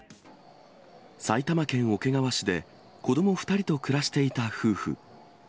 埼玉県桶川市で子ども２人と暮らしていた夫婦。